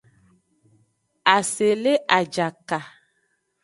Ase le ajaka.